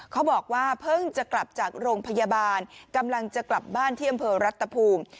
เขาบอกว่าเพิ่งจะกลับจากโรงพยาบาลกำลังจะกลับบ้านที่อำเภอรัฐภูมิ